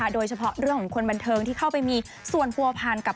โดยเฉพาะเรื่องของคนบันเทิงที่เข้าไปมีส่วนผัวพันกับ